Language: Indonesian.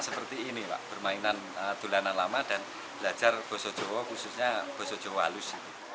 seperti ini bermainan tulanan lama dan belajar bahasa jawa khususnya bahasa jawa halus